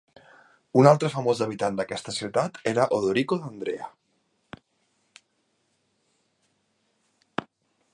Un altre famós habitant d'aquesta ciutat era Odorico D'Andrea.